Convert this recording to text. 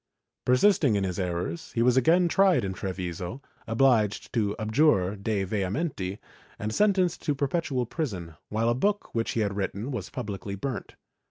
Persisting in his errors, he was again tried in Treviso, obliged to abjure de vehementi and sentenced to perpetual prison, while a book which he had written was publicly burnt.